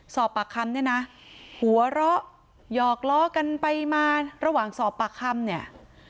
สอบปากคำเนี่ยนะหัวเราะหยอกล้อกันไปมาระหว่างสอบปากคำเนี่ย